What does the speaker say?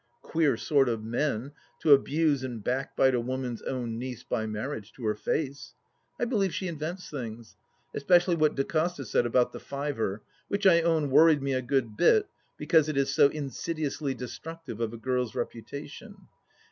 Queer sort of men, to abuse and backbite a woman's own niece — by marriage — to her face ! I believe she invents things, especially what D'Acosta said about the fiver, which I own worried me a good bit, because it is so insidiously destructive of a girl's reputation.